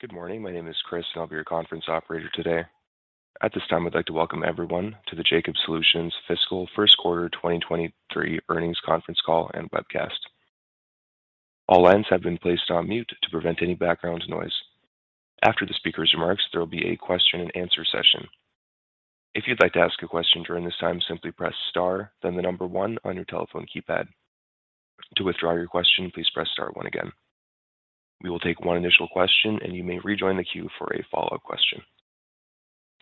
Good morning. My name is Chris. I'll be your conference operator today. At this time, I'd like to welcome everyone to the Jacobs Solutions Fiscal First Quarter 2023 Earnings Conference Call and Webcast. All lines have been placed on mute to prevent any background noise. After the speaker's remarks, there will be a question-and-answer session. If you'd like to ask a question during this time, simply press Star, then one on your telephone keypad. To withdraw your question, please press Star one again. We will take one initial question. You may rejoin the queue for a follow-up question.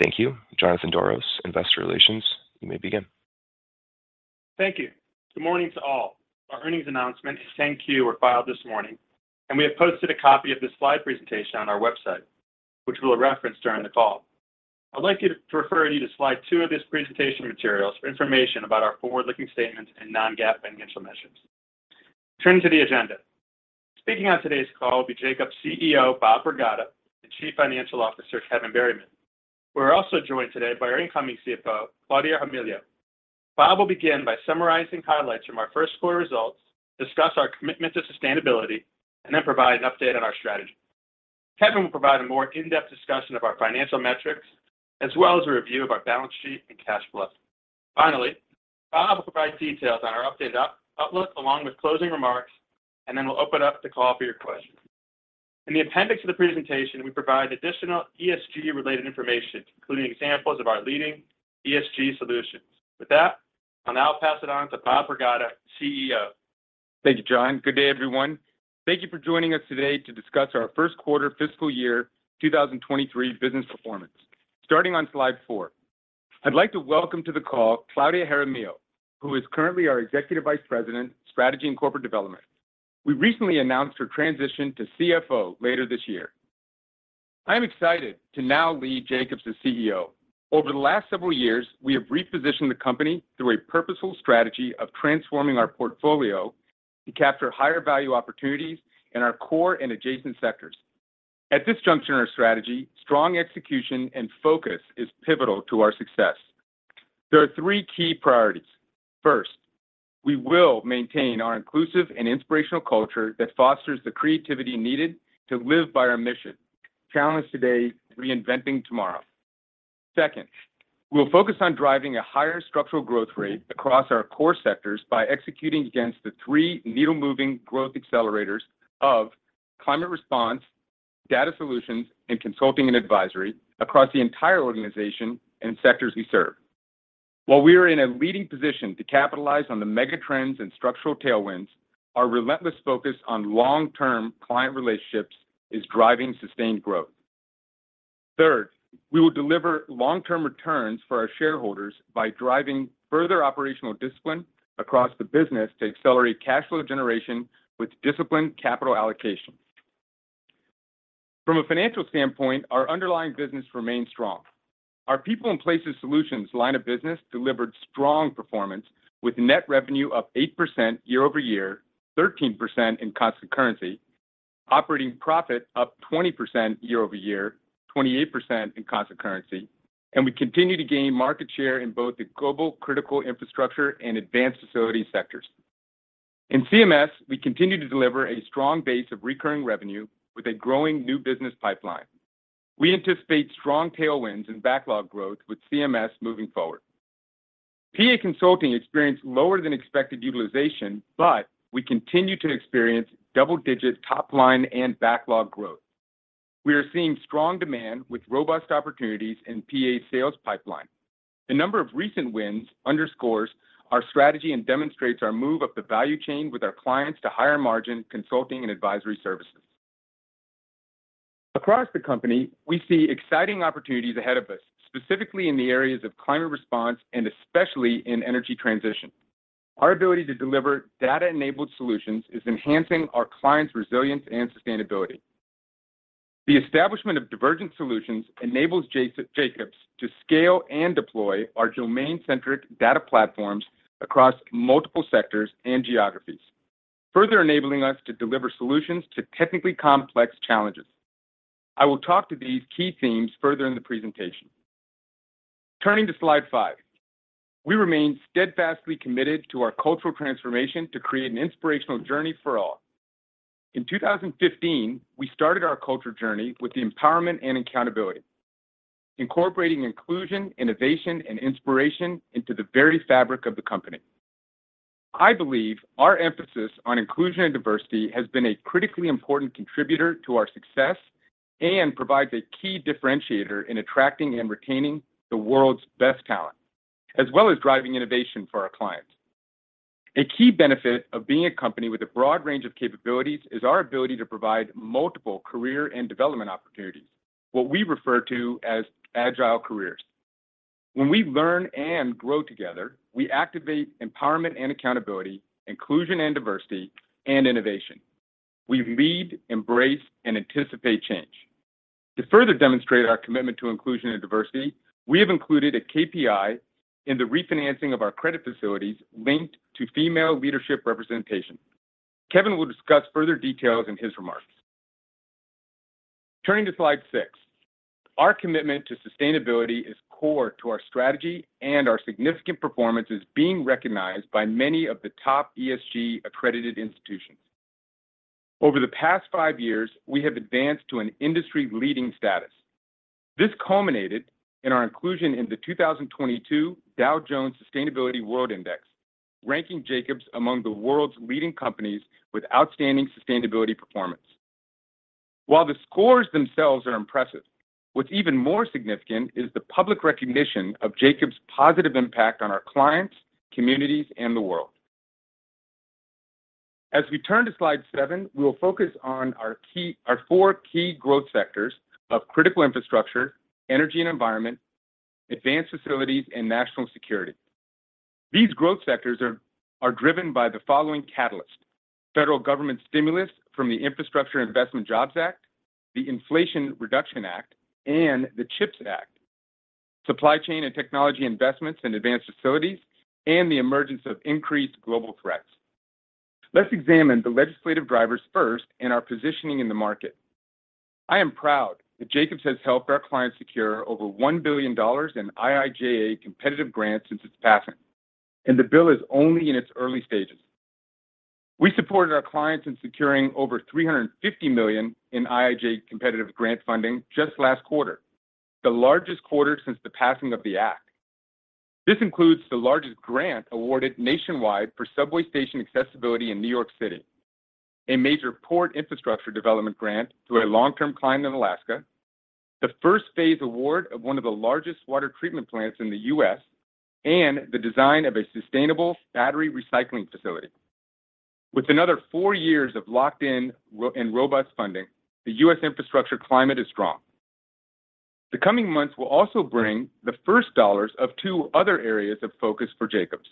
Thank you. Jonathan Doros, Investor Relations, you may begin. Thank you. Good morning to all. Our earnings announcement and thank you were filed this morning, and we have posted a copy of this slide presentation on our website, which we'll reference during the call. I'd like you to refer you to slide two of this presentation materials for information about our forward-looking statements and non-GAAP financial measures. Turning to the agenda. Speaking on today's call will be Jacobs CEO, Bob Pragada, and Chief Financial Officer, Kevin Berryman. We're also joined today by our incoming CFO, Claudia Jaramillo. Bob will begin by summarizing highlights from our first quarter results, discuss our commitment to sustainability, and then provide an update on our strategy. Kevin will provide a more in-depth discussion of our financial metrics, as well as a review of our balance sheet and cash flow. Bob will provide details on our updated outlook, along with closing remarks, and then we'll open up the call for your questions. In the appendix of the presentation, we provide additional ESG-related information, including examples of our leading ESG solutions. With that, I'll now pass it on to Bob Pragada, CEO. Thank you, John. Good day, everyone. Thank you for joining us today to discuss our first quarter fiscal year 2023 business performance. Starting on slide four. I'd like to welcome to the call Claudia Jaramillo, who is currently our Executive Vice President, Strategy and Corporate Development. We recently announced her transition to CFO later this year. I am excited to now lead Jacobs as CEO. Over the last several years, we have repositioned the company through a purposeful strategy of transforming our portfolio to capture higher value opportunities in our core and adjacent sectors. At this juncture in our strategy, strong execution and focus is pivotal to our success. There are three key priorities. First, we will maintain our inclusive and inspirational culture that fosters the creativity needed to live by our mission, challenge today, reinventing tomorrow. We'll focus on driving a higher structural growth rate across our core sectors by executing against the three needle-moving growth accelerators of climate response, data solutions, and consulting and advisory across the entire organization and sectors we serve. While we are in a leading position to capitalize on the mega trends and structural tailwinds, our relentless focus on long-term client relationships is driving sustained growth. We will deliver long-term returns for our shareholders by driving further operational discipline across the business to accelerate cash flow generation with disciplined capital allocation. From a financial standpoint, our underlying business remains strong. Our People & Places Solutions line of business delivered strong performance with net revenue up 8% year-over-year, 13% in constant currency, operating profit up 20% year-over-year, 28% in constant currency. We continue to gain market share in both the global critical infrastructure and advanced facilities sectors. In CMS, we continue to deliver a strong base of recurring revenue with a growing new business pipeline. We anticipate strong tailwinds and backlog growth with CMS moving forward. PA Consulting experienced lower than expected utilization, but we continue to experience double-digit top line and backlog growth. We are seeing strong demand with robust opportunities in PA sales pipeline. The number of recent wins underscores our strategy and demonstrates our move up the value chain with our clients to higher margin consulting and advisory services. Across the company, we see exciting opportunities ahead of us, specifically in the areas of climate response and especially in energy transition. Our ability to deliver data-enabled solutions is enhancing our clients' resilience and sustainability. The establishment of Divergent Solutions enables Jacobs to scale and deploy our domain-centric data platforms across multiple sectors and geographies, further enabling us to deliver solutions to technically complex challenges. I will talk to these key themes further in the presentation. Turning to slide five. We remain steadfastly committed to our cultural transformation to create an inspirational journey for all. In 2015, we started our culture journey with the empowerment and accountability, incorporating inclusion, innovation, and inspiration into the very fabric of the company. I believe our emphasis on inclusion and diversity has been a critically important contributor to our success and provides a key differentiator in attracting and retaining the world's best talent, as well as driving innovation for our clients. A key benefit of being a company with a broad range of capabilities is our ability to provide multiple career and development opportunities, what we refer to as agile careers. When we learn and grow together, we activate empowerment and accountability, inclusion and diversity, and innovation. We lead, embrace, and anticipate change. To further demonstrate our commitment to inclusion and diversity, we have included a KPI in the refinancing of our credit facilities linked to female leadership representation. Kevin will discuss further details in his remarks. Turning to slide six. Our commitment to sustainability is core to our strategy, and our significant performance is being recognized by many of the top ESG accredited institutions. Over the past five years, we have advanced to an industry-leading status. This culminated in our inclusion in the 2022 Dow Jones Sustainability World Index, ranking Jacobs among the world's leading companies with outstanding sustainability performance. While the scores themselves are impressive, what's even more significant is the public recognition of Jacobs' positive impact on our clients, communities, and the world. As we turn to slide seven, we will focus on our four key growth sectors of critical infrastructure, energy and environment, advanced facilities, and national security. These growth sectors are driven by the following catalysts: federal government stimulus from the Infrastructure Investment and Jobs Act, the Inflation Reduction Act, and the CHIPS Act, supply chain and technology investments in advanced facilities, and the emergence of increased global threats. Let's examine the legislative drivers first and our positioning in the market. I am proud that Jacobs has helped our clients secure over $1 billion in IIJA competitive grants since its passing. The bill is only in its early stages. We supported our clients in securing over $350 million in IIJA competitive grant funding just last quarter, the largest quarter since the passing of the Act. This includes the largest grant awarded nationwide for subway station accessibility in New York City, a major port infrastructure development grant to a long-term client in Alaska, the first phase award of one of the largest water treatment plants in the U.S., and the design of a sustainable battery recycling facility. With another four years of locked-in and robust funding, the U.S. infrastructure climate is strong. The coming months will also bring the first dollars of two other areas of focus for Jacobs: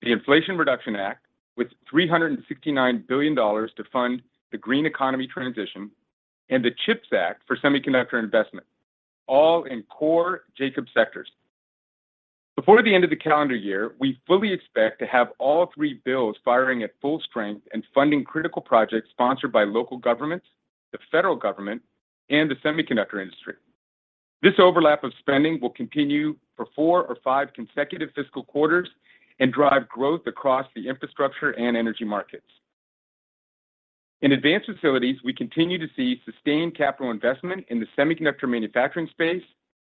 the Inflation Reduction Act, with $369 billion to fund the green economy transition, and the CHIPS Act for semiconductor investment, all in core Jacobs sectors. Before the end of the calendar year, we fully expect to have all three bills firing at full strength and funding critical projects sponsored by local governments, the federal government, and the semiconductor industry. This overlap of spending will continue for four or five consecutive fiscal quarters and drive growth across the infrastructure and energy markets. In advanced facilities, we continue to see sustained capital investment in the semiconductor manufacturing space,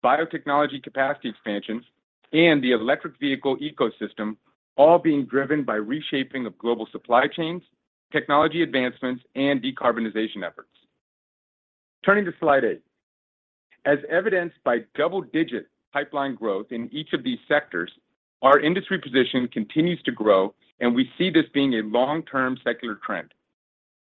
biotechnology capacity expansions, and the electric vehicle ecosystem all being driven by reshaping of global supply chains, technology advancements, and decarbonization efforts. Turning to slide eight. As evidenced by double-digit pipeline growth in each of these sectors, our industry position continues to grow. We see this being a long-term secular trend.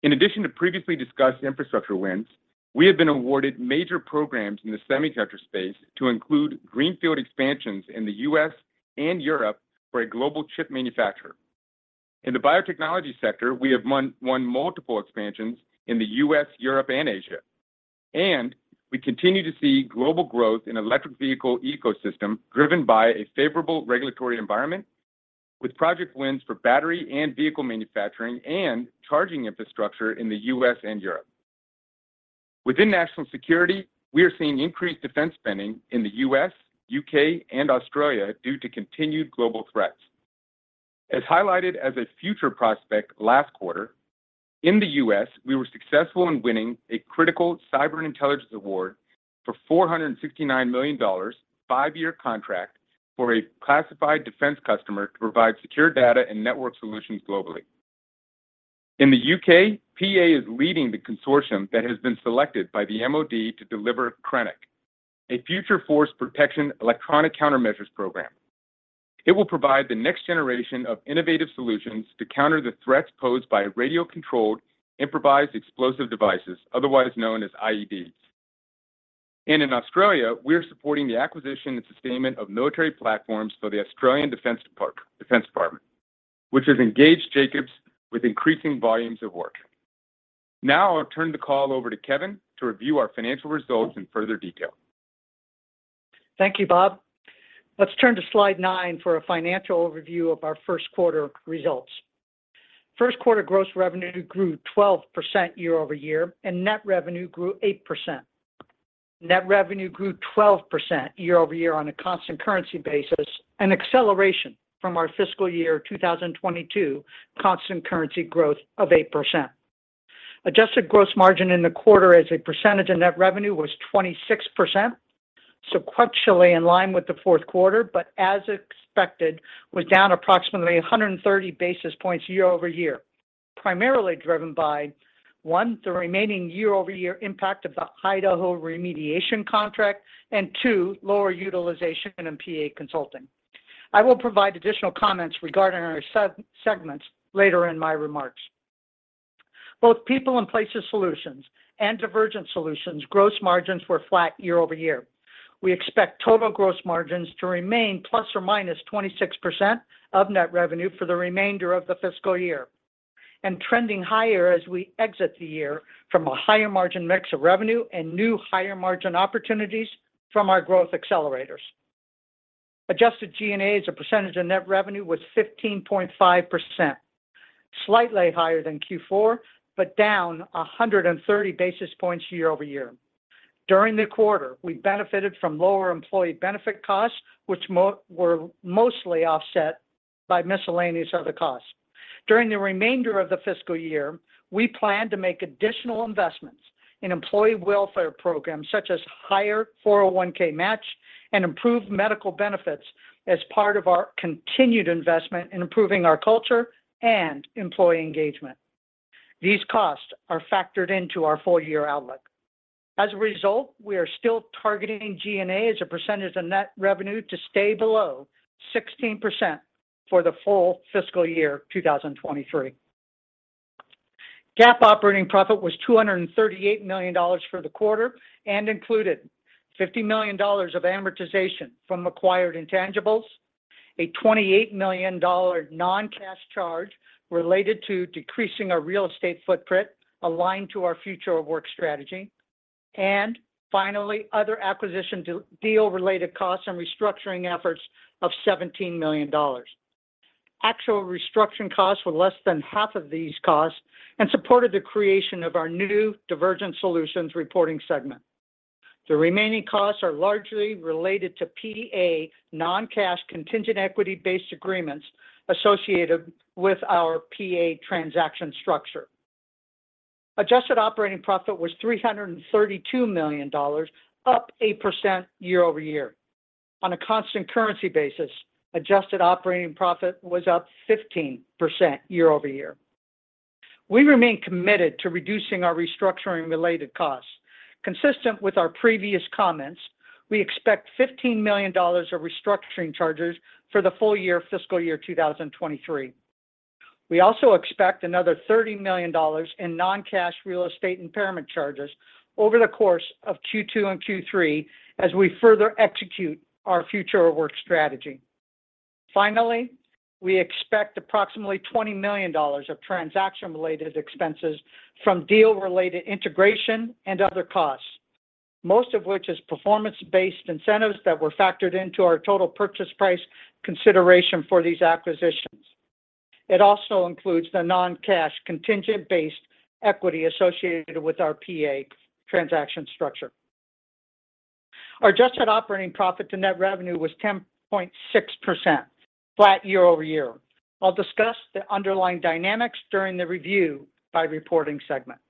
In addition to previously discussed infrastructure wins, we have been awarded major programs in the semiconductor space to include greenfield expansions in the U.S. and Europe for a global chip manufacturer. In the biotechnology sector, we have won multiple expansions in the U.S., Europe, and Asia. We continue to see global growth in electric vehicle ecosystem driven by a favorable regulatory environment with project wins for battery and vehicle manufacturing and charging infrastructure in the U.S. and Europe. Within national security, we are seeing increased defense spending in the U.S., U.K., and Australia due to continued global threats. As highlighted as a future prospect last quarter, in the U.S., we were successful in winning a critical cyber intelligence award for $469 million, five-year contract for a classified defense customer to provide secure data and network solutions globally. In the U.K., PA is leading the consortium that has been selected by the MOD to deliver CRENIC, a future force protection electronic countermeasures program. It will provide the next generation of innovative solutions to counter the threats posed by radio-controlled improvised explosive devices, otherwise known as IEDs. In Australia, we're supporting the acquisition and sustainment of military platforms for the Australian Department of Defence, which has engaged Jacobs with increasing volumes of work. Now I'll turn the call over to Kevin to review our financial results in further detail. Thank you, Bob. Let's turn to slide nine for a financial overview of our first quarter results. First quarter gross revenue grew 12% year-over-year, and net revenue grew 8%. Net revenue grew 12% year-over-year on a constant currency basis, an acceleration from our fiscal year 2022 constant currency growth of 8%. Adjusted gross margin in the quarter as a percentage of net revenue was 26%, sequentially in line with the fourth quarter, but as expected, was down approximately 130 basis points year-over-year, primarily driven by, one, the remaining year-over-year impact of the Idaho remediation contract, and two, lower utilization in PA Consulting. I will provide additional comments regarding our segments later in my remarks. Both People & Places Solutions and Divergent Solutions gross margins were flat year-over-year. We expect total gross margins to remain plus or minus 26% of net revenue for the remainder of the fiscal year, and trending higher as we exit the year from a higher margin mix of revenue and new higher margin opportunities from our growth accelerators. Adjusted G&A as a percentage of net revenue was 15.5%, slightly higher than Q4, but down 130 basis points year-over-year. During the quarter, we benefited from lower employee benefit costs, which were mostly offset by miscellaneous other costs. During the remainder of the fiscal year, we plan to make additional investments in employee welfare programs, such as higher 401(k) match and improved medical benefits as part of our continued investment in improving our culture and employee engagement. These costs are factored into our full year outlook. As a result, we are still targeting G&A as a percentage of net revenue to stay below 16% for the full fiscal year 2023. GAAP operating profit was $238 million for the quarter and included $50 million of amortization from acquired intangibles, a $28 million non-cash charge related to decreasing our real estate footprint aligned to our future of work strategy, Finally, other acquisition de-deal related costs and restructuring efforts of $17 million. Actual restructuring costs were less than half of these costs and supported the creation of our new Divergent Solutions reporting segment. The remaining costs are largely related to PA non-cash contingent equity-based agreements associated with our PA transaction structure. Adjusted operating profit was $332 million, up 8% year-over-year. On a constant currency basis, adjusted operating profit was up 15% year-over-year. We remain committed to reducing our restructuring-related costs. Consistent with our previous comments, we expect $15 million of restructuring charges for the full year fiscal year 2023. We also expect another $30 million in non-cash real estate impairment charges over the course of Q2 and Q3 as we further execute our future of work strategy. Finally, we expect approximately $20 million of transaction-related expenses from deal-related integration and other costs, most of which is performance-based incentives that were factored into our total purchase price consideration for these acquisitions. It also includes the non-cash contingent-based equity associated with our PA transaction structure. Our adjusted operating profit to net revenue was 10.6%, flat year-over-year. I'll discuss the underlying dynamics during the review by reporting segment.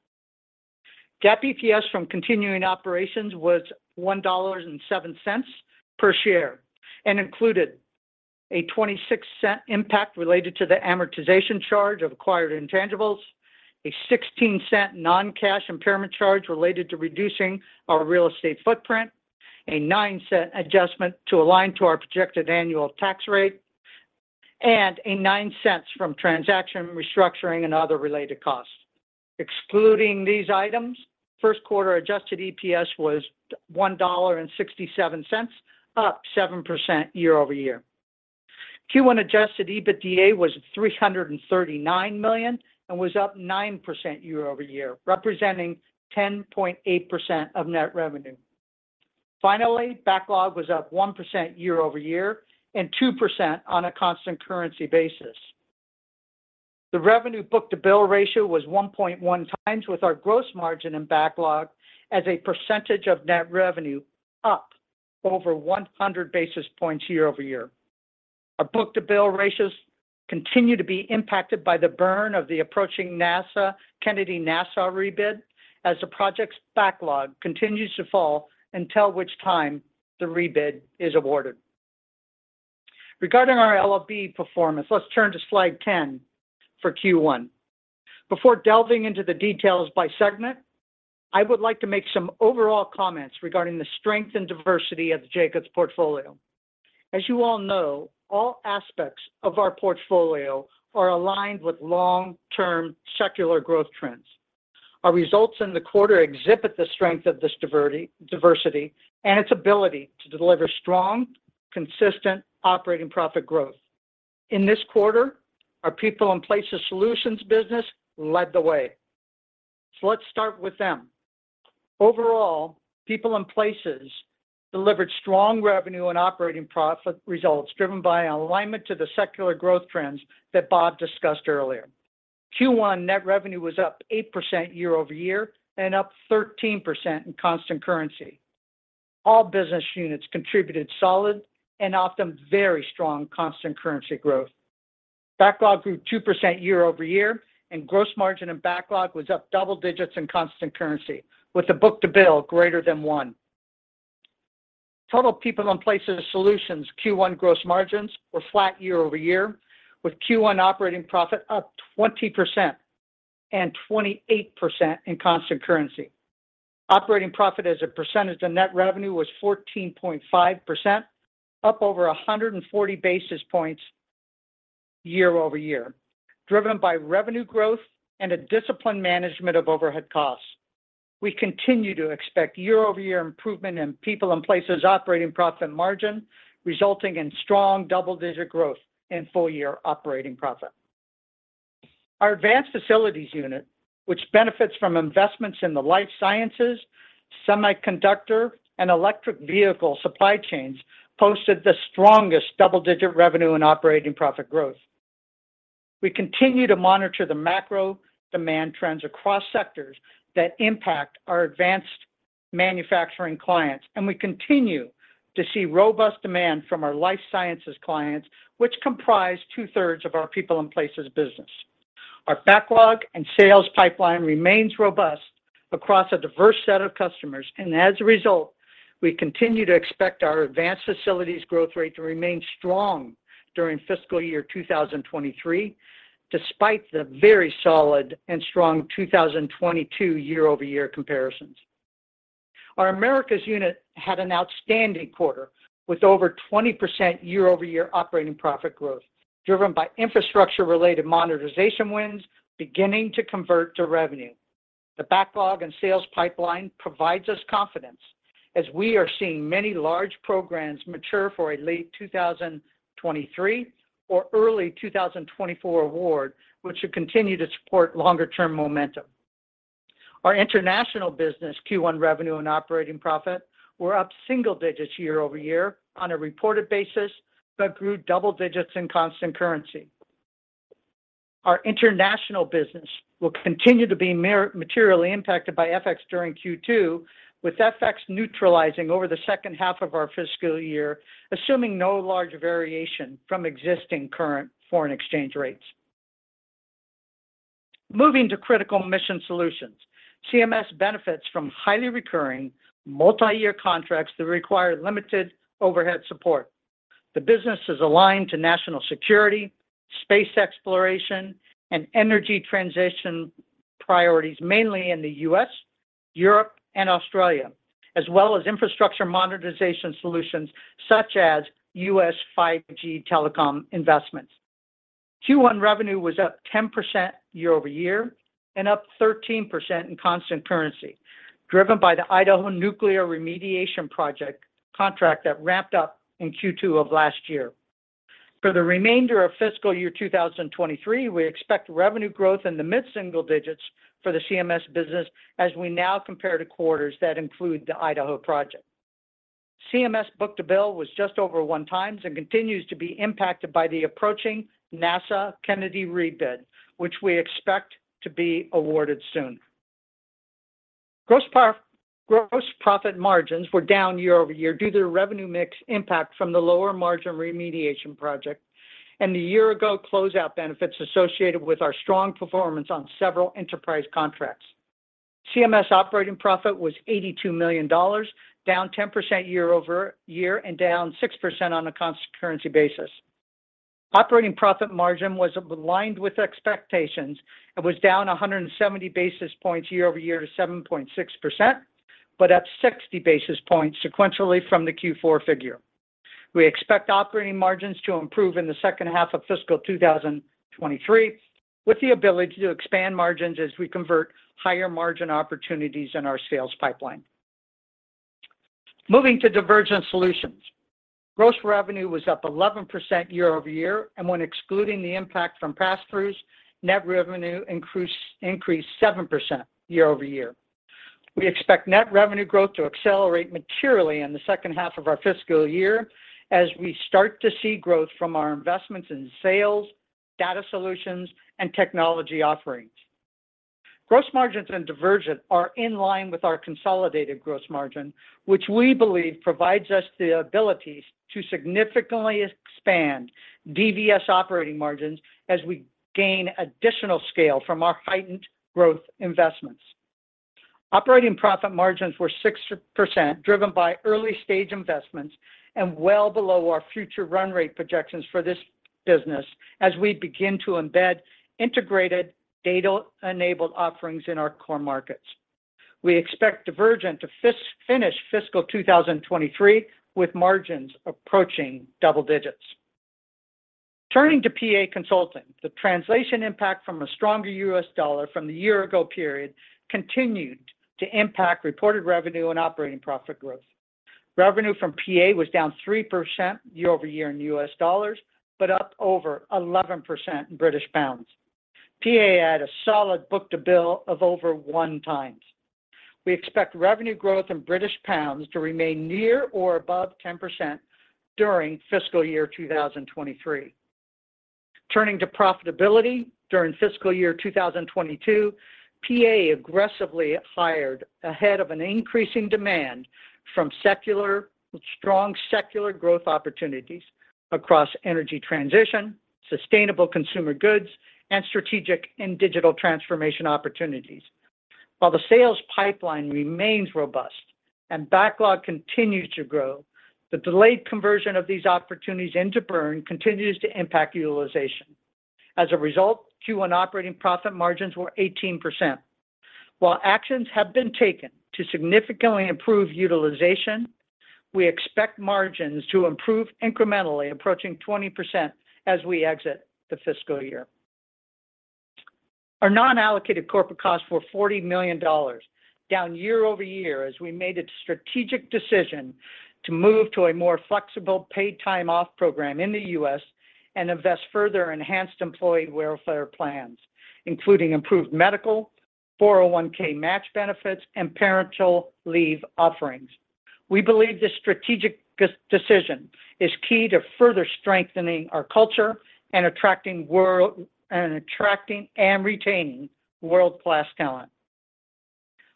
GAAP EPS from continuing operations was $1.07 per share and included a $0.26 impact related to the amortization charge of acquired intangibles, a $0.16 non-cash impairment charge related to reducing our real estate footprint, a $0.09 adjustment to align to our projected annual tax rate, and a $0.09 from transaction restructuring and other related costs. Excluding these items, first quarter adjusted EPS was $1.67, up 7% year-over-year. Q1 adjusted EBITDA was $339 million and was up 9% year-over-year, representing 10.8% of net revenue. Finally, backlog was up 1% year-over-year and 2% on a constant currency basis. The revenue book-to-bill ratio was 1.1 times with our gross margin and backlog as a percentage of net revenue up over 100 basis points year-over-year. Our book-to-bill ratios continue to be impacted by the burn of the approaching NASA Kennedy rebid as the project's backlog continues to fall until which time the rebid is awarded. Regarding our LFB performance, let's turn to slide 10 for Q1. Before delving into the details by segment, I would like to make some overall comments regarding the strength and diversity of Jacobs' portfolio. As you all know, all aspects of our portfolio are aligned with long-term secular growth trends. Our results in the quarter exhibit the strength of this diversity and its ability to deliver strong, consistent operating profit growth. In this quarter, our People & Places Solutions business led the way. Let's start with them. Overall, People & Places delivered strong revenue and operating profit results driven by an alignment to the secular growth trends that Bob discussed earlier. Q1 net revenue was up 8% year-over-year and up 13% in constant currency. All business units contributed solid and often very strong constant currency growth. Backlog grew 2% year-over-year, and gross margin and backlog was up double digits in constant currency with the book-to-bill greater than 1. Total People & Places Solutions Q1 gross margins were flat year-over-year with Q1 operating profit up 20% and 28% in constant currency. Operating profit as a percentage of net revenue was 14.5%, up over 140 basis points year-over-year, driven by revenue growth and a disciplined management of overhead costs. We continue to expect year-over-year improvement in People & Places operating profit margin, resulting in strong double-digit growth in full year operating profit. Our Advanced Facilities unit, which benefits from investments in the life sciences, semiconductor, and electric vehicle supply chains, posted the strongest double-digit revenue and operating profit growth. We continue to monitor the macro demand trends across sectors that impact our advanced manufacturing clients. We continue to see robust demand from our life sciences clients, which comprise two-thirds of our People & Places business. Our backlog and sales pipeline remains robust across a diverse set of customers. As a result, we continue to expect our Advanced Facilities growth rate to remain strong during fiscal year 2023, despite the very solid and strong 2022 year-over-year comparisons. Our Americas unit had an outstanding quarter with over 20% year-over-year operating profit growth, driven by infrastructure-related monetization wins beginning to convert to revenue. The backlog and sales pipeline provides us confidence as we are seeing many large programs mature for a late 2023 or early 2024 award, which should continue to support longer-term momentum. Our international business Q1 revenue and operating profit were up single digits year-over-year on a reported basis, but grew double digits in constant currency. Our international business will continue to be materially impacted by FX during Q2, with FX neutralizing over the second half of our fiscal year, assuming no large variation from existing current foreign exchange rates. Moving to Critical Mission Solutions. CMS benefits from highly recurring multi-year contracts that require limited overhead support. The business is aligned to national security, space exploration, and energy transition priorities, mainly in the U.S., Europe, and Australia, as well as infrastructure monetization solutions such as U.S. 5G telecom investments. Q1 revenue was up 10% year-over-year and up 13% in constant currency, driven by the Idaho Nuclear Remediation Project contract that ramped up in Q2 of last year. For the remainder of fiscal year 2023, we expect revenue growth in the mid-single digits for the CMS business as we now compare to quarters that include the Idaho project. CMS book-to-bill was just over one times and continues to be impacted by the approaching NASA Kennedy rebid, which we expect to be awarded soon. Gross profit margins were down year-over-year due to the revenue mix impact from the lower margin remediation project and the year-ago closeout benefits associated with our strong performance on several enterprise contracts. CMS operating profit was $82 million, down 10% year-over-year and down 6% on a constant currency basis. Operating profit margin was aligned with expectations and was down 170 basis points year-over-year to 7.6%, up 60 basis points sequentially from the Q4 figure. We expect operating margins to improve in the second half of fiscal 2023, with the ability to expand margins as we convert higher margin opportunities in our sales pipeline. Moving to Divergent Solutions. Gross revenue was up 11% year-over-year, when excluding the impact from pass-throughs, net revenue increased 7% year-over-year. We expect net revenue growth to accelerate materially in the second half of our fiscal year as we start to see growth from our investments in sales, data solutions, and technology offerings. Gross margins in Divergent are in line with our consolidated gross margin, which we believe provides us the ability to significantly expand DVS operating margins as we gain additional scale from our heightened growth investments. Operating profit margins were 6%, driven by early-stage investments and well below our future run rate projections for this business as we begin to embed integrated data-enabled offerings in our core markets. We expect Divergent to finish fiscal 2023 with margins approaching double digits. Turning to PA Consulting, the translation impact from a stronger US dollar from the year-ago period continued to impact reported revenue and operating profit growth. Revenue from PA was down 3% year-over-year in US dollars, but up over 11% in British pounds. PA had a solid book-to-bill of over 1 times. We expect revenue growth in British pounds to remain near or above 10% during fiscal year 2023. Turning to profitability, during fiscal year 2022, PA aggressively hired ahead of an increasing demand from strong secular growth opportunities across energy transition, sustainable consumer goods, and strategic and digital transformation opportunities. While the sales pipeline remains robust and backlog continues to grow, the delayed conversion of these opportunities into burn continues to impact utilization. As a result, Q1 operating profit margins were 18%. While actions have been taken to significantly improve utilization, we expect margins to improve incrementally, approaching 20% as we exit the fiscal year. Our non-allocated corporate costs were $40 million, down year-over-year as we made a strategic decision to move to a more flexible paid time off program in the U.S. and invest further enhanced employee welfare plans, including improved medical, 401(k) match benefits, and parental leave offerings. We believe this strategic decision is key to further strengthening our culture and attracting and retaining world-class talent.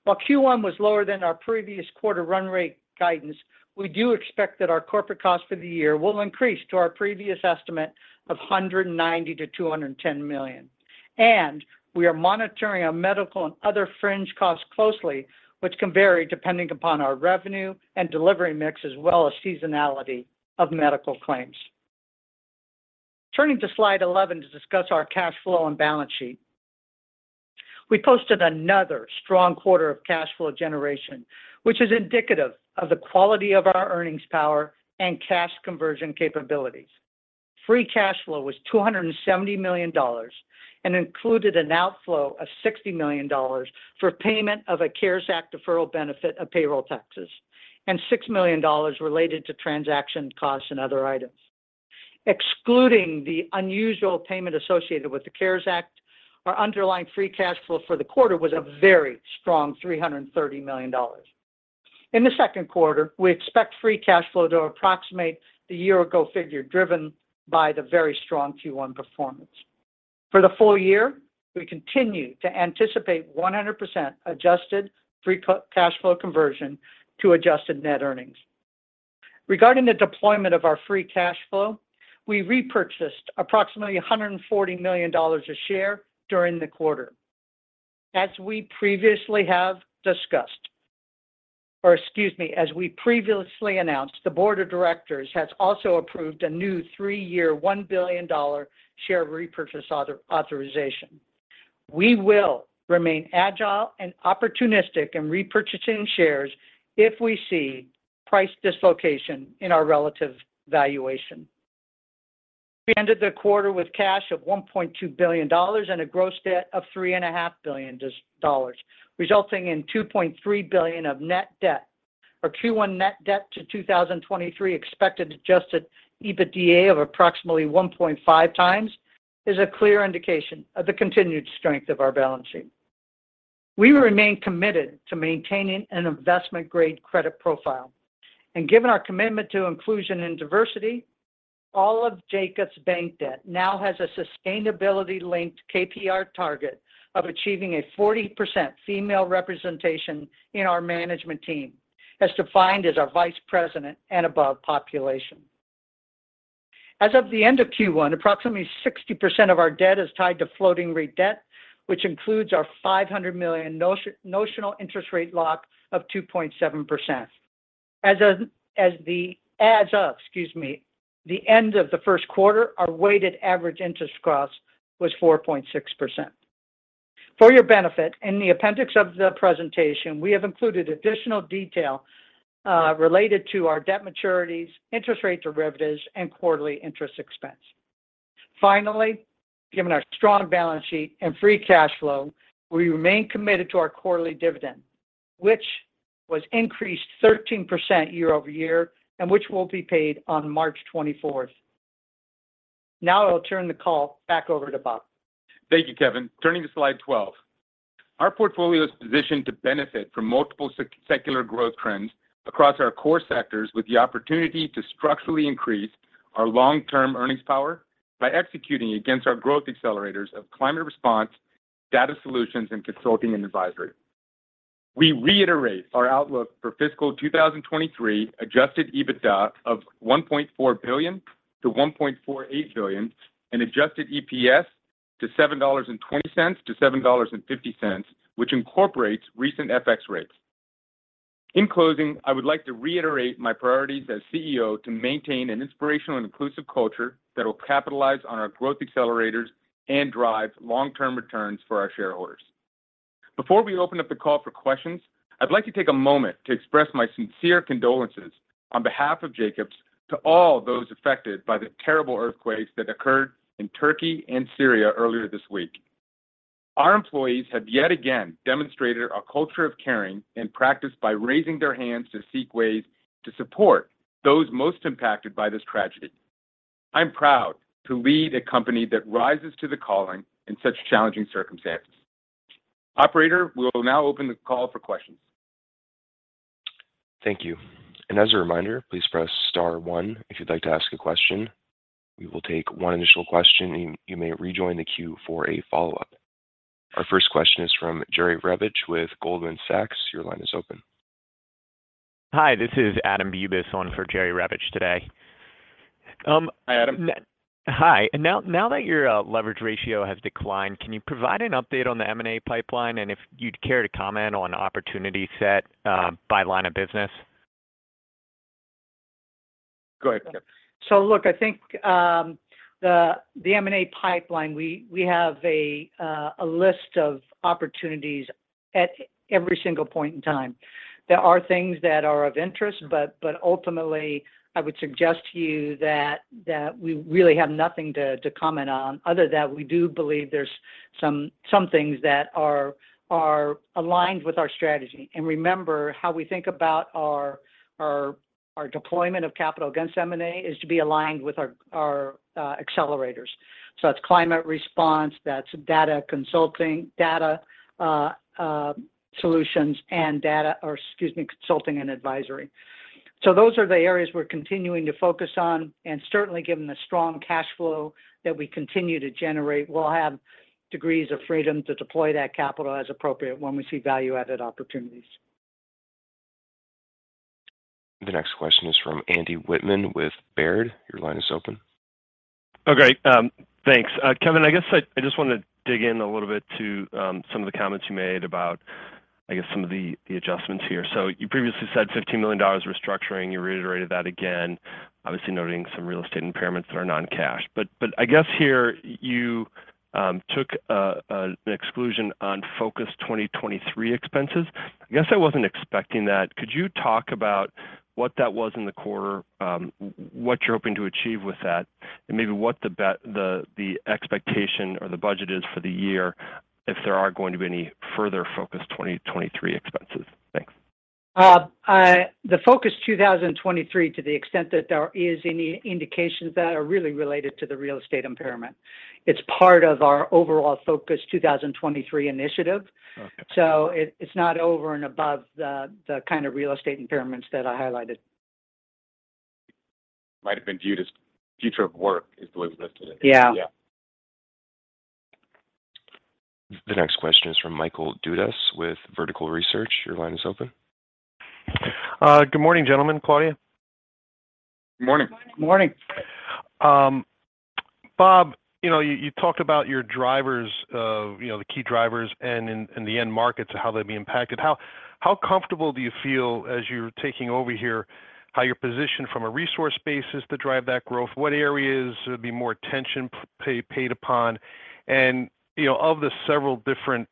While Q1 was lower than our previous quarter run rate guidance, we do expect that our corporate costs for the year will increase to our previous estimate of $190 million-$210 million. We are monitoring our medical and other fringe costs closely, which can vary depending upon our revenue and delivery mix, as well as seasonality of medical claims. Turning to slide 11 to discuss our cash flow and balance sheet. We posted another strong quarter of cash flow generation, which is indicative of the quality of our earnings power and cash conversion capabilities. Free cash flow was $270 million and included an outflow of $60 million for payment of a CARES Act deferral benefit of payroll taxes, and $6 million related to transaction costs and other items. Excluding the unusual payment associated with the CARES Act, our underlying free cash flow for the quarter was a very strong $330 million. In the second quarter, we expect free cash flow to approximate the year-ago figure driven by the very strong Q1 performance. For the full year, we continue to anticipate 100% adjusted free cash flow conversion to adjusted net earnings. Regarding the deployment of our free cash flow, we repurchased approximately $140 million a share during the quarter. As we previously have discussed, or excuse me, as we previously announced, the board of directors has also approved a new three-year, $1 billion share repurchase authorization. We will remain agile and opportunistic in repurchasing shares if we see price dislocation in our relative valuation. We ended the quarter with cash of $1.2 billion and a gross debt of $3.5 billion, resulting in $2.3 billion of net debt. Our Q1 net debt to 2023 expected adjusted EBITDA of approximately 1.5 times is a clear indication of the continued strength of our balance sheet. We remain committed to maintaining an investment-grade credit profile. Given our commitment to inclusion and diversity, all of Jacobs' bank debt now has a sustainability-linked KPI target of achieving a 40% female representation in our management team, as defined as our Vice President and above population. As of the end of Q1, approximately 60% of our debt is tied to floating rate debt, which includes our $5 million notional interest rate lock of 2.7%. As of, excuse me, the end of the first quarter, our weighted average interest cost was 4.6%. For your benefit, in the appendix of the presentation, we have included additional detail related to our debt maturities, interest rate derivatives, and quarterly interest expense. Finally, given our strong balance sheet and free cash flow, we remain committed to our quarterly dividend, which was increased 13% year-over-year and which will be paid on March 24th. Now I'll turn the call back over to Bob. Thank you, Kevin. Turning to slide 12. Our portfolio is positioned to benefit from multiple secular growth trends across our core sectors with the opportunity to structurally increase our long-term earnings power by executing against our growth accelerators of climate response, data solutions, and consulting and advisory. We reiterate our outlook for fiscal 2023 adjusted EBITDA of $1.4 billion-$1.48 billion and adjusted EPS to $7.20-$7.50, which incorporates recent FX rates. In closing, I would like to reiterate my priorities as CEO to maintain an inspirational and inclusive culture that will capitalize on our growth accelerators and drive long-term returns for our shareholders. Before we open up the call for questions, I'd like to take a moment to express my sincere condolences on behalf of Jacobs to all those affected by the terrible earthquakes that occurred in Turkey and Syria earlier this week. Our employees have yet again demonstrated a culture of caring and practice by raising their hands to seek ways to support those most impacted by this tragedy. I'm proud to lead a company that rises to the calling in such challenging circumstances. Operator, we will now open the call for questions. Thank you. As a reminder, please press star one if you'd like to ask a question. We will take one initial question, and you may rejoin the queue for a follow-up. Our first question is from Jerry Revich with Goldman Sachs. Your line is open. Hi, this is Adam Bubes on for Jerry Revich today. Hi, Adam. Hi. Now that your leverage ratio has declined, can you provide an update on the M&A pipeline and if you'd care to comment on opportunity set by line of business? Go ahead, Kevin. Look, I think, the M&A pipeline, we have a list of opportunities at every single point in time. There are things that are of interest, but ultimately I would suggest to you that we really have nothing to comment on. Other than that we do believe there's some things that are aligned with our strategy. Remember how we think about our deployment of capital against M&A is to be aligned with our accelerators. That's climate response, that's data consulting, data solutions, consulting and advisory. Those are the areas we're continuing to focus on, and certainly given the strong cash flow that we continue to generate, we'll have degrees of freedom to deploy that capital as appropriate when we see value-added opportunities. The next question is from Andy Wittmann with Baird. Your line is open. Great. Thanks. Kevin, I guess I just wanna dig in a little bit to some of the comments you made about, I guess, some of the adjustments here. You previously said $50 million restructuring, you reiterated that again, obviously noting some real estate impairments that are non-cash. I guess here you took an exclusion on Focus 2023 expenses. I guess I wasn't expecting that. Could you talk about what that was in the quarter, what you're hoping to achieve with that, and maybe what the expectation or the budget is for the year if there are going to be any further Focus 2023 expenses? Thanks. The Focus 2023, to the extent that there is any indications that are really related to the real estate impairment. It's part of our overall Focus 2023 initiative. Okay. It's not over and above the kind of real estate impairments that I highlighted. Might have been viewed as future of work is the way we looked at it. Yeah. Yeah. The next question is from Michael Dudas with Vertical Research. Your line is open. Good morning, gentlemen, Claudia. Morning. Morning. Bob, you know, you talked about your drivers, you know, the key drivers and the end markets and how they'd be impacted. How comfortable do you feel as you're taking over here, how you're positioned from a resource base is to drive that growth? What areas would be more attention paid upon? You know, of the several different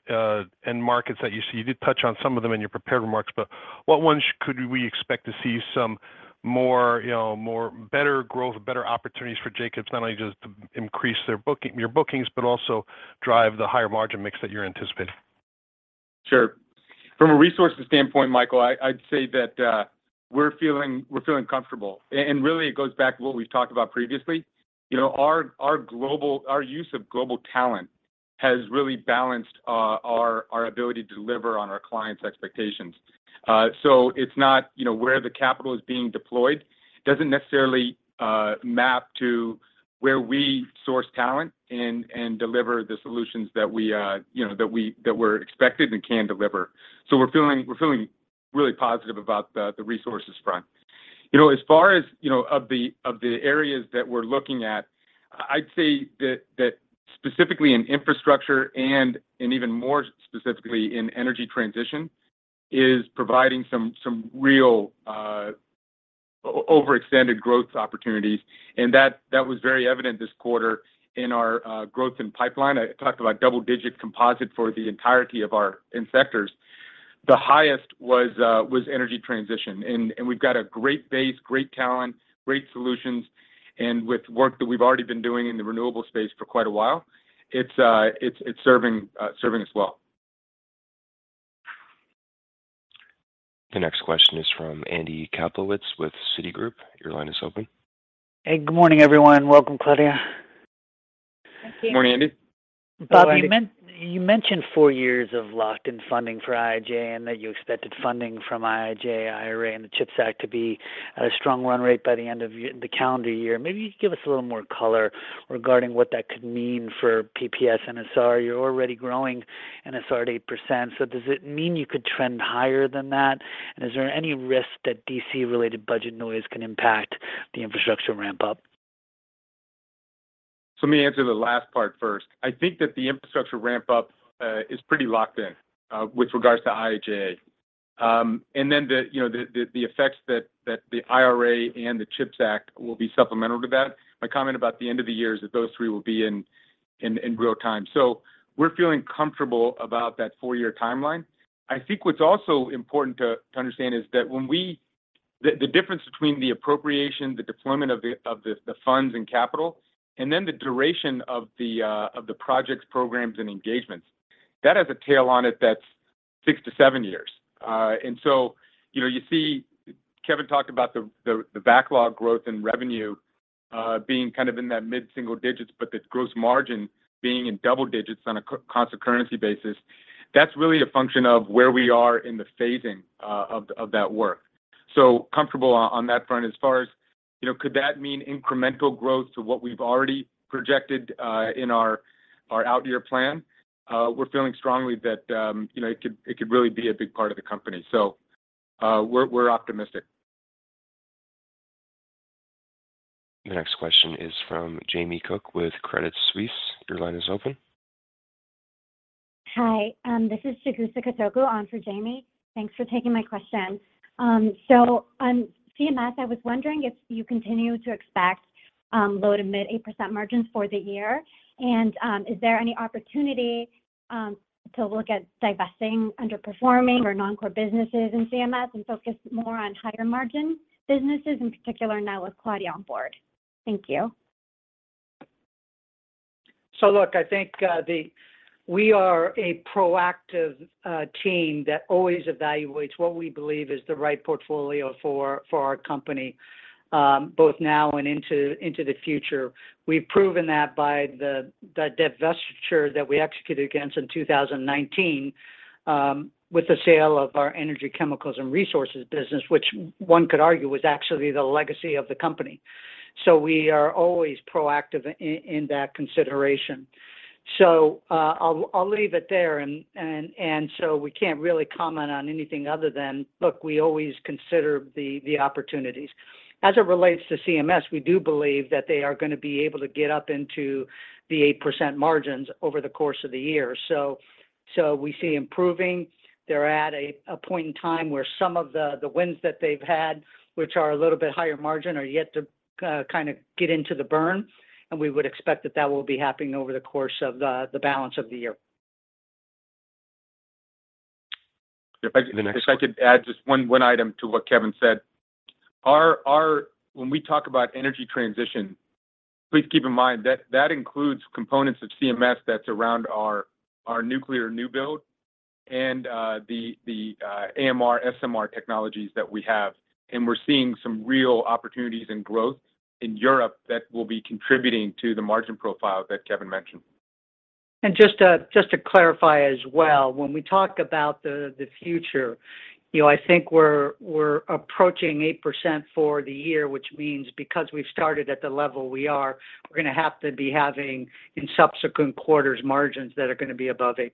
end markets that you see, you did touch on some of them in your prepared remarks, but what ones could we expect to see some more, you know, more, better growth, better opportunities for Jacobs, not only just to increase their booking, your bookings, but also drive the higher margin mix that you're anticipating? Sure. From a resources standpoint, Michael, I'd say that we're feeling comfortable. Really it goes back to what we've talked about previously. You know, our use of global talent has really balanced our ability to deliver on our clients' expectations. It's not, you know, where the capital is being deployed doesn't necessarily map to where we source talent and deliver the solutions that we, you know, that we're expected and can deliver. We're feeling really positive about the resources front. You know, as far as, you know, of the areas that we're looking at, I'd say that specifically in infrastructure and even more specifically in energy transition, is providing some real overextended growth opportunities. That was very evident this quarter in our growth and pipeline. I talked about double-digit composite for the entirety of our sectors. The highest was energy transition. We've got a great base, great talent, great solutions, and with work that we've already been doing in the renewable space for quite a while, it's serving us well. The next question is from Andy Kaplowitz with Citigroup. Your line is open. Hey, good morning, everyone. Welcome, Claudia. Thank you. Morning, Andy. Bob, you mentioned four years of locked in funding for IIJA, and that you expected funding from IIJA, IRA, and the CHIPS Act to be at a strong run rate by the end of the calendar year. Maybe you could give us a little more color regarding what that could mean for PPS NSR. You're already growing NSR at 8%, so does it mean you could trend higher than that? Is there any risk that D.C.-related budget noise can impact the infrastructure ramp up? Let me answer the last part first. I think that the infrastructure ramp up is pretty locked in with regards to IIJA. The, you know, the effects that the IRA and the CHIPS Act will be supplemental to that. My comment about the end of the year is that those three will be in real time. We're feeling comfortable about that four-year timeline. I think what's also important to understand is that when the difference between the appropriation, the deployment of the funds and capital, and then the duration of the projects, programs, and engagements, that has a tail on it that's six to seven years. You know, you see Kevin talked about the backlog growth in revenue, being kind of in that mid-single digits, but the gross margin being in double digits on a constant currency basis. That's really a function of where we are in the phasing of that work. Comfortable on that front. As far as, you know, could that mean incremental growth to what we've already projected in our out year plan? We're feeling strongly that, you know, it could really be a big part of the company. We're optimistic. The next question is from Jamie Cook with Credit Suisse. Your line is open. Hi, this is Adam Bubes on for Jamie. Thanks for taking my question. On CMS, I was wondering if you continue to expect low to mid 8% margins for the year. Is there any opportunity to look at divesting underperforming or non-core businesses in CMS and focus more on higher margin businesses, in particular now with Claudia on board? Thank you. Look, I think we are a proactive team that always evaluates what we believe is the right portfolio for our company, both now and into the future. We've proven that by the divestiture that we executed against in 2019, with the sale of our energy, chemicals, and resources business, which one could argue was actually the legacy of the company. We are always proactive in that consideration. I'll leave it there. We can't really comment on anything other than, look, we always consider the opportunities. As it relates to CMS, we do believe that they are gonna be able to get up into the 8% margins over the course of the year. We see improving. They're at a point in time where some of the wins that they've had, which are a little bit higher margin, are yet to kind of get into the burn, and we would expect that that will be happening over the course of the balance of the year. If I could- The next one. If I could add just one item to what Kevin said. Our When we talk about energy transition, please keep in mind that that includes components of CMS that's around our nuclear new build and the AMR, SMR technologies that we have. We're seeing some real opportunities and growth in Europe that will be contributing to the margin profile that Kevin mentioned. Just to clarify as well, when we talk about the future, you know, I think we're approaching 8% for the year, which means because we've started at the level we are, we're gonna have to be having, in subsequent quarters, margins that are gonna be above 8%.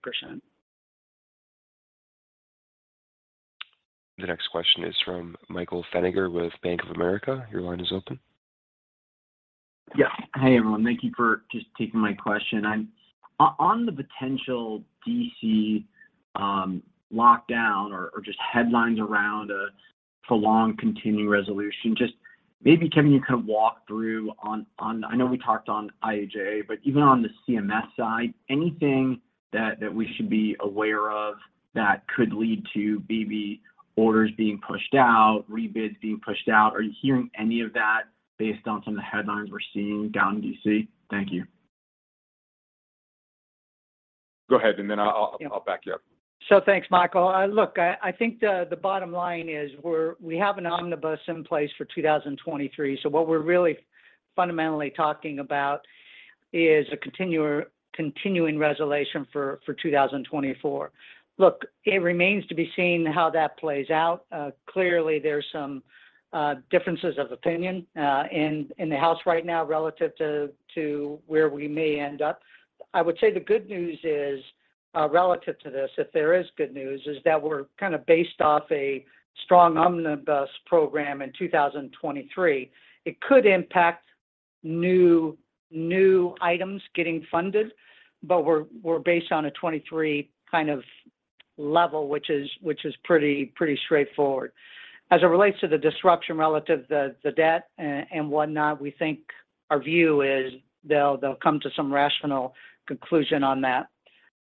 The next question is from Michael Feniger with Bank of America. Your line is open. Yeah. Hey, everyone. Thank you for just taking my question. I'm on the potential D.C. lockdown or headlines around a prolonged continuing resolution. Maybe, Kevin, you can walk through on, I know we talked on IIJA, but even on the CMS side, anything that we should be aware of that could lead to maybe orders being pushed out, rebids being pushed out? Are you hearing any of that based on some of the headlines we're seeing down in D.C.? Thank you. Go ahead, and then I'll back you up. Thanks, Michael. look, I think the bottom line is we have an omnibus in place for 2023, so what we're really fundamentally talking about is a continuing resolution for 2024. Look, it remains to be seen how that plays out. clearly there's some differences of opinion in the House right now relative to where we may end up. I would say the good news is relative to this, if there is good news, is that we're kind of based off a strong omnibus program in 2023. It could impact new items getting funded, but we're based on a 2023 kind of level, which is pretty straightforward. As it relates to the disruption relative the debt and whatnot, we think our view is they'll come to some rational conclusion on that,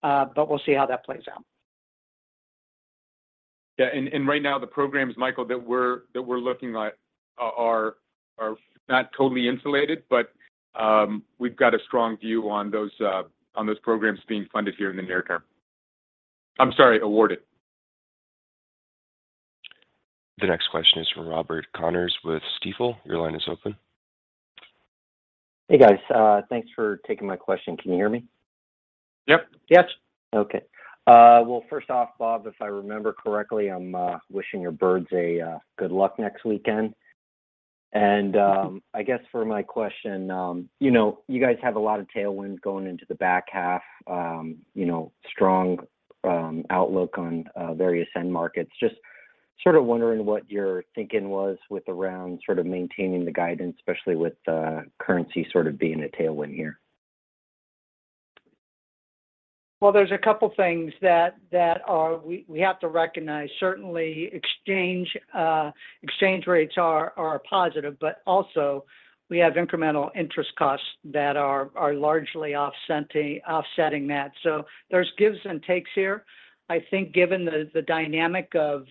but we'll see how that plays out. Yeah. Right now the programs, Michael, that we're looking at are not totally insulated, but we've got a strong view on those programs being funded here in the near term. I'm sorry, awarded. The next question is from Robert Connors with Stifel. Your line is open. Hey, guys. Thanks for taking my question. Can you hear me? Yep. Yes. Okay. Well, first off, Bob, if I remember correctly, I'm wishing your birds good luck next weekend. I guess for my question, you guys have a lot of tailwinds going into the back half, strong outlook on various end markets. Just sort of wondering what your thinking was with around sort of maintaining the guidance, especially with the currency sort of being a tailwind here. There's a couple things that we have to recognize. Certainly exchange rates are positive, also we have incremental interest costs that are largely offsetting that. There's gives and takes here. I think given the dynamic of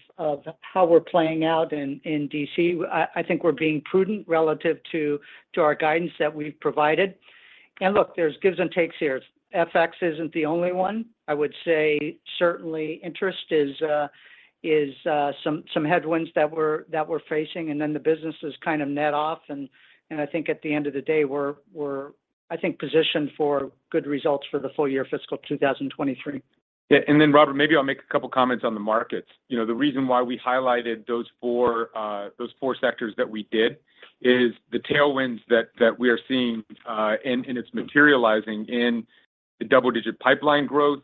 how we're playing out in D.C., I think we're being prudent relative to our guidance that we've provided. Look, there's gives and takes here. FX isn't the only one. I would say certainly interest is some headwinds that we're facing, the businesses kind of net off and I think at the end of the day, we're, I think, positioned for good results for the full year fiscal 2023. Robert, maybe I'll make a couple comments on the markets. You know, the reason why we highlighted those four sectors that we did is the tailwinds that we are seeing, and it's materializing in the double-digit pipeline growth,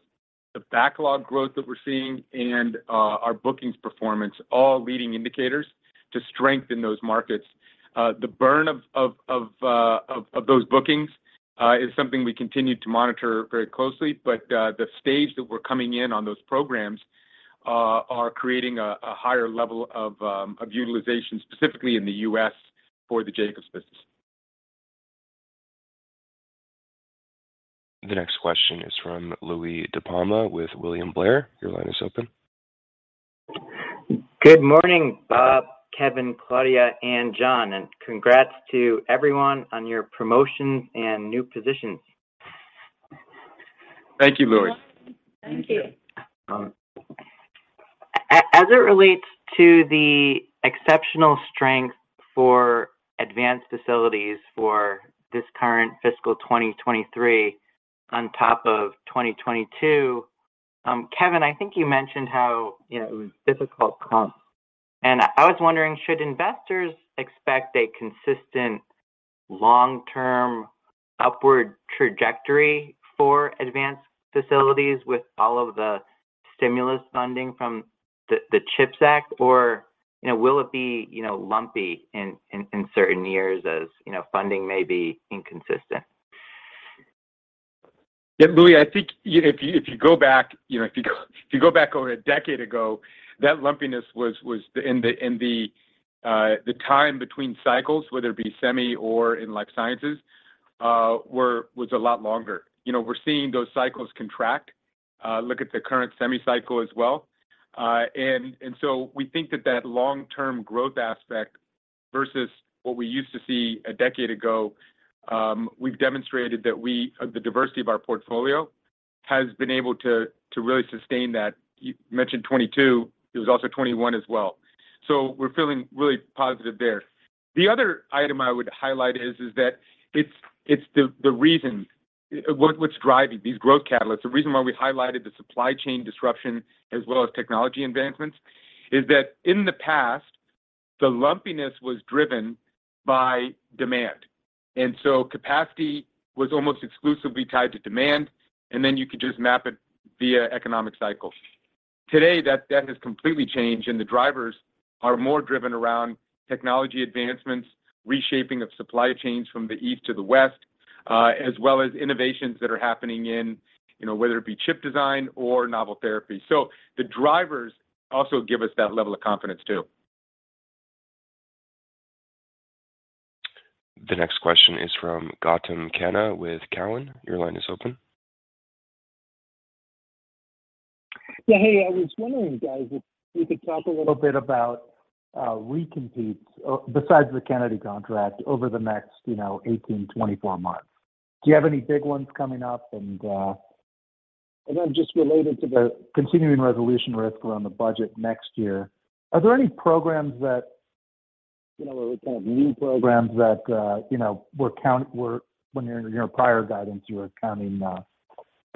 the backlog growth that we're seeing, and our bookings performance, all leading indicators to strengthen those markets. The burn of those bookings is something we continue to monitor very closely, but the stage that we're coming in on those programs. Are creating a higher level of utilization specifically in the U.S. for the Jacobs business. The next question is from Louie DiPalma with William Blair. Your line is open. Good morning, Bob, Kevin, Claudia, and John, and congrats to everyone on your promotions and new positions. Thank you, Louie. Thank you. Um- As it relates to the exceptional strength for advanced facilities for this current fiscal 2023 on top of 2022, Kevin, I think you mentioned how, you know, it was difficult comp. I was wondering should investors expect a consistent long-term upward trajectory for advanced facilities with all of the stimulus funding from the CHIPS Act, or, you know, will it be, you know, lumpy in certain years as, you know, funding may be inconsistent? Yeah, Louie, I think if you go back, you know, if you go back over a decade ago, that lumpiness was in the time between cycles, whether it be semi or in life sciences, was a lot longer. You know, we're seeing those cycles contract. Look at the current semi cycle as well. And so we think that that long-term growth aspect versus what we used to see a decade ago, we've demonstrated that we, the diversity of our portfolio has been able to really sustain that. You mentioned 22, it was also 21 as well. We're feeling really positive there. The other item I would highlight is that it's the reason what's driving these growth catalysts. The reason why we highlighted the supply chain disruption as well as technology advancements is that in the past, the lumpiness was driven by demand, and so capacity was almost exclusively tied to demand, and then you could just map it via economic cycles. Today, that has completely changed, and the drivers are more driven around technology advancements, reshaping of supply chains from the east to the west, as well as innovations that are happening in, you know, whether it be chip design or novel therapy. The drivers also give us that level of confidence too. The next question is from Gautam Khanna with Cowen. Your line is open. Yeah, hey, I was wondering, guys, if you could talk a little bit about recompetes, besides the Kennedy contract over the next, you know, 18, 24 months. Do you have any big ones coming up? Then just related to the continuing resolution risk around the budget next year, are there any programs that, you know, or kind of new programs that, you know, when your, you know, prior guidance you were counting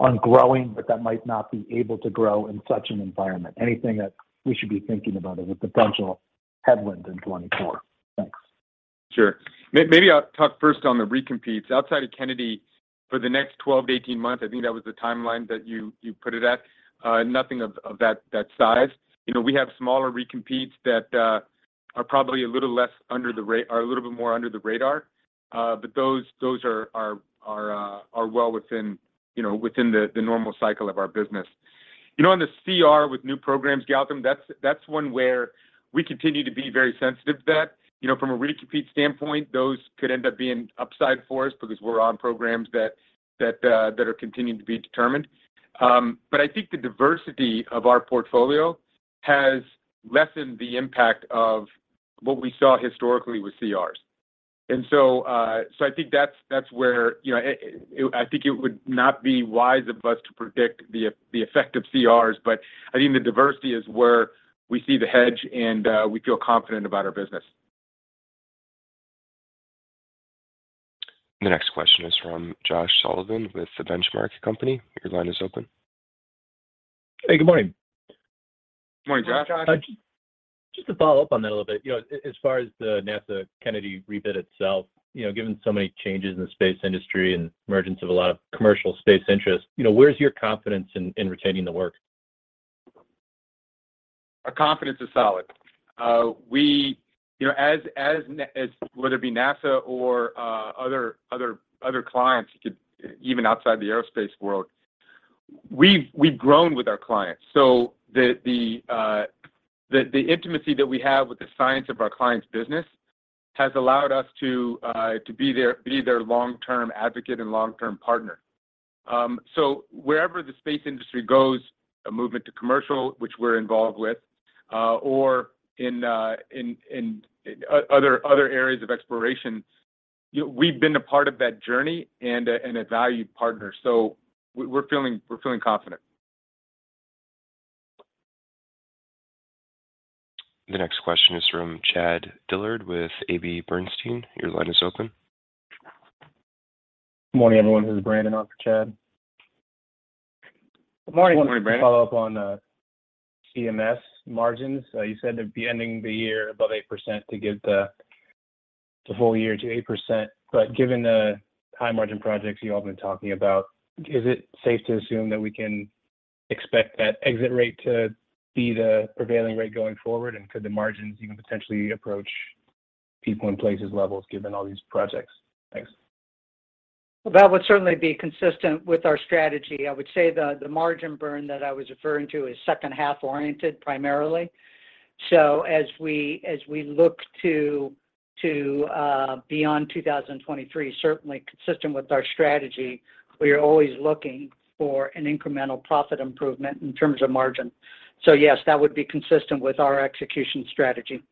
on growing but that might not be able to grow in such an environment? Anything that we should be thinking about as a potential headwind in 2024? Thanks. Sure. Maybe I'll talk first on the recompetes. Outside of Kennedy, for the next 12-18 months, I think that was the timeline that you put it at, nothing of that size. You know, we have smaller recompetes that are a little bit more under the radar. Those are well within, you know, within the normal cycle of our business. You know, on the CR with new programs, Gautam, that's one where we continue to be very sensitive to that. You know, from a recompete standpoint, those could end up being upside for us because we're on programs that are continuing to be determined. I think the diversity of our portfolio has lessened the impact of what we saw historically with CRs. I think that's where, you know, I think it would not be wise of us to predict the effect of CRs, but I think the diversity is where we see the hedge, and we feel confident about our business. The next question is from Josh Sullivan with The Benchmark Company. Your line is open. Hey, good morning. Morning, Josh. Just to follow up on that a little bit, you know, as far as the NASA Kennedy rebid itself, you know, given so many changes in the space industry and emergence of a lot of commercial space interests, you know, where's your confidence in retaining the work? Our confidence is solid. We, you know, as whether it be NASA or other clients even outside the aerospace world, we've grown with our clients. The intimacy that we have with the science of our clients' business has allowed us to be their long-term advocate and long-term partner. Wherever the space industry goes, a movement to commercial, which we're involved with, or in other areas of exploration, you know, we've been a part of that journey and a valued partner. We're feeling confident. The next question is from Chad Dillard with AB Bernstein. Your line is open. Morning, everyone. This is Brandon on for Chad. Good morning, Brandon. Just wanted to follow up on CMS margins. You said it'd be ending the year above 8% to get the whole year to 8%. Given the high-margin projects you all have been talking about, is it safe to assume that we can expect that exit rate to be the prevailing rate going forward? Could the margins even potentially approach People and Places levels given all these projects? Thanks. That would certainly be consistent with our strategy. I would say the margin burn that I was referring to is second half oriented primarily. As we look to beyond 2023, certainly consistent with our strategy, we are always looking for an incremental profit improvement in terms of margin. Yes, that would be consistent with our execution strategy.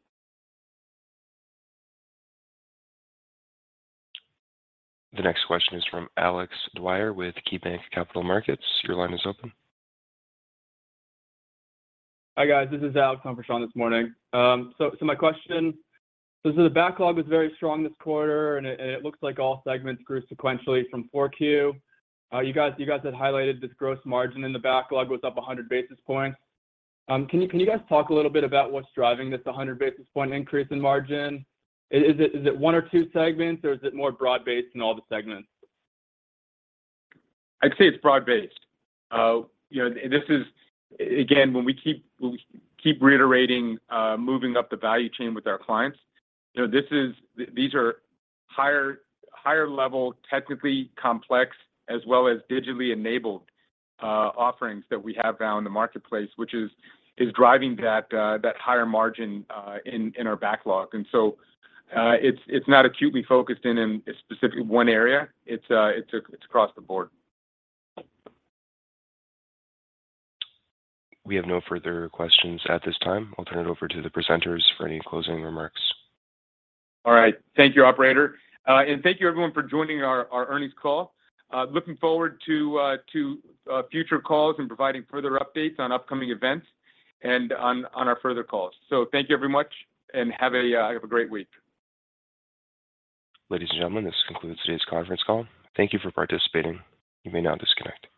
The next question is from Alex Dwyer with KeyBanc Capital Markets. Your line is open. Hi, guys. This is Alex on for Sean this morning. My question is that the backlog was very strong this quarter, and it looks like all segments grew sequentially from Q4. You guys had highlighted this gross margin in the backlog was up 100 basis points. Can you guys talk a little bit about what's driving this 100 basis point increase in margin? Is it one or two segments, or is it more broad-based in all the segments? I'd say it's broad-based. you know, again, when we keep reiterating, moving up the value chain with our clients, you know, these are higher level, technically complex, as well as digitally enabled, offerings that we have now in the marketplace, which is driving that higher margin in our backlog. It's not acutely focused in specific one area. It's across the board. We have no further questions at this time. I'll turn it over to the presenters for any closing remarks. All right. Thank you, operator. Thank you everyone for joining our earnings call. looking forward to future calls and providing further updates on upcoming events and on our further calls. Thank you very much, and have a great week. Ladies and gentlemen, this concludes today's conference call. Thank you for participating. You may now disconnect.